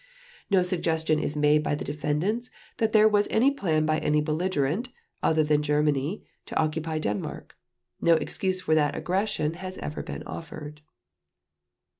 No suggestion is made by the defendants that there was any plan by any belligerent, other than Germany, to occupy Denmark. No excuse for that aggression has ever been offered.